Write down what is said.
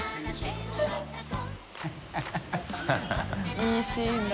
いいシーンだな。